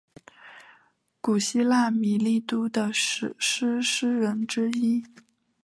古希腊米利都的史诗诗人之一。